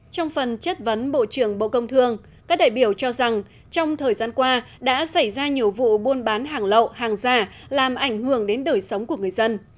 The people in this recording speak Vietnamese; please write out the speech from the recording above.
trong phần chất vấn bộ trưởng bộ công thương các đại biểu cho rằng trong thời gian qua đã xảy ra nhiều vụ buôn bán hàng lậu hàng giả làm ảnh hưởng đến đời sống của người dân